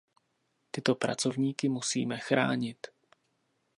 Tyto pracovníky musíme chránit.